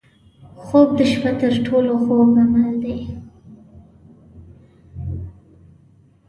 خوب د شپه تر ټولو خوږ عمل دی